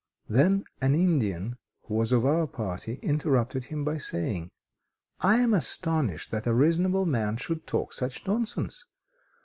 Then an Indian who was of our party, interrupted him by saying: "I am astonished that a reasonable man should talk such nonsense.